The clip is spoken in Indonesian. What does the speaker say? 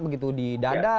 begitu di dada